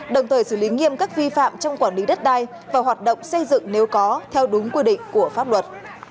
đồng thời xử lý nghiêm các vi phạm trong quản lý đất đai và hoạt động xây dựng nếu có theo đúng quy định của pháp luật